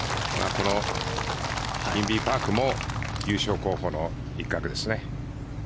このインビ・パクも優勝候補の一角ですね。